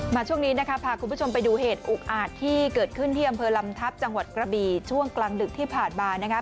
ช่วงนี้นะคะพาคุณผู้ชมไปดูเหตุอุกอาจที่เกิดขึ้นที่อำเภอลำทัพจังหวัดกระบีช่วงกลางดึกที่ผ่านมานะคะ